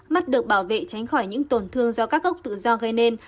mắt được bảo vệ tránh khỏi những tổn thương do các gốc tự do gây nên